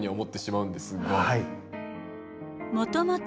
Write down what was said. もともと。